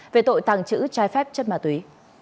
về tội tàng chữ trái phép chất ma túy